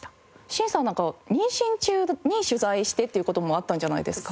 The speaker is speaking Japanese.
進さんなんか妊娠中に取材してという事もあったんじゃないですか？